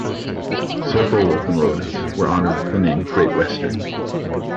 Several locomotives were honoured with the name "Great Western".